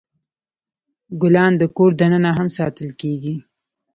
ګلان د کور دننه هم ساتل کیږي.